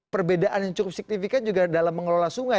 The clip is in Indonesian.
perbedaan yang cukup signifikan juga dalam mengelola sungai